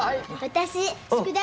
私。